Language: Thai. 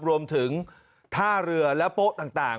รวมถึงท่าเรือและโป๊ะต่าง